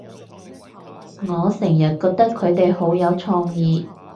我成日覺得佢哋好有創意